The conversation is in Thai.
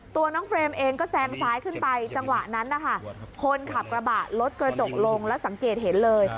ตัวน้องเฟรมเองก็แซงซ้ายขึ้นไปจังหวะนั้นนะคะคนขับกระบะลดกระจกลงแล้วสังเกตเห็นเลย